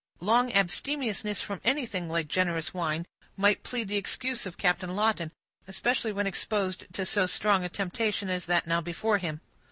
Long abstemiousness from anything like generous wine might plead the excuse of Captain Lawton, especially when exposed to so strong a temptation as that now before him.